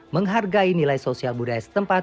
menghargai nilai sosial budaya setempat